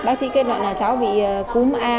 bác sĩ kết luận là cháu bị cúm a